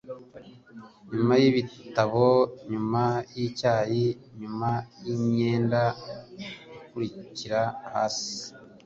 Nyuma yibitabo, nyuma yicyayi, nyuma yimyenda ikurikira hasi -